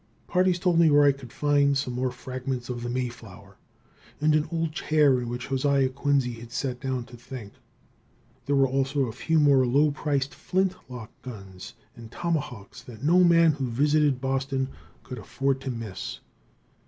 Parties told me where I could find some more fragments of the Mayflower, and an old chair in which Josiah Quincy had sat down to think. There were also a few more low price flint lock guns and tomahawks that no man who visited Boston could afford to miss.